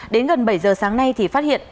đến gần bảy giờ sáng nay thì phát hiện